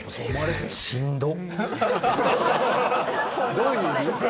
どういう意味？